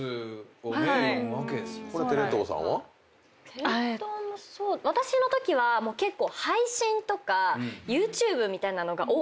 テレ東もそう私のときは結構。